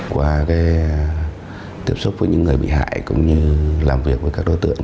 qua tiếp xúc với những người bị hại cũng như làm việc với các đối tượng